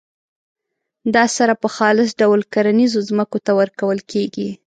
دا سره په خالص ډول کرنیزو ځمکو ته ورکول کیږي.